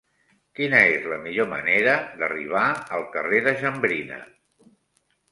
Quina és la millor manera d'arribar al carrer de Jambrina?